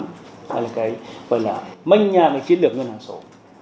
hay là cái phần là mênh nhà để chiến được ngân hàng số